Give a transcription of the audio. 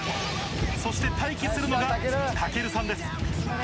そして待機するのがたけるさんです。